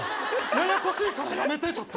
ややこしいからやめてちょっと。